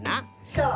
そう。